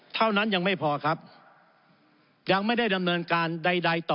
เท่านั้นยังไม่พอครับยังไม่ได้ดำเนินการใดต่อ